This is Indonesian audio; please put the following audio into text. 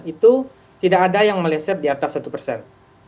itu tidak ada yang meleset di atas satu persen